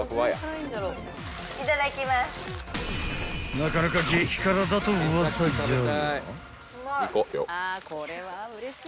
［なかなか激辛だとウワサじゃが］